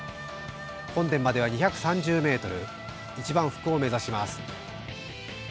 本殿までは２３０ｍ、一番福を目指します。